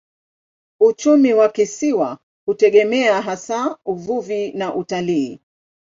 Uchumi wa kisiwa hutegemea hasa uvuvi na utalii.